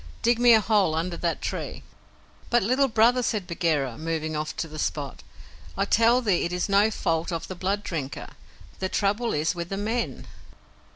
Dig me a hole under that tree." "But, Little Brother," said Bagheera, moving off to the spot, "I tell thee it is no fault of the blood drinker. The trouble is with the men."